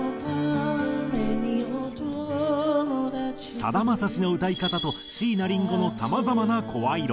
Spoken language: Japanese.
さだまさしの歌い方と椎名林檎のさまざまな声色。